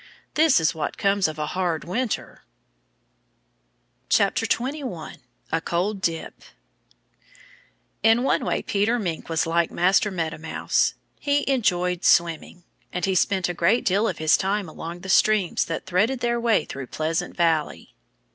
"This is what comes of a hard winter." 21 A Cold Dip IN one way Peter Mink was like Master Meadow Mouse. He enjoyed swimming. And he spent a great deal of his time along the streams that threaded their way through Pleasant Valley.